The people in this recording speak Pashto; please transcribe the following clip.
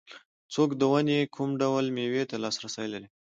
څوک د ونې کوم ډول مېوې ته لاسرسی لري.